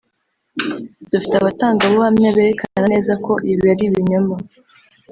« Dufite abatangabuhamya berekana neza ko ibi ari ibinyoma